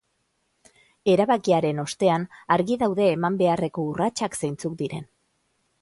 Erabakiaren ostean, argi daude eman beharreko urratsak zeintzuk diren.